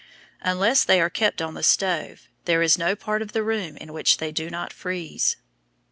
Unless they are kept on the stove, there is no part of the room in which they do not freeze.